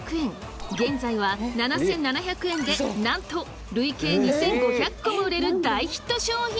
現在は７，７００円でなんと累計２，５００個も売れる大ヒット商品に！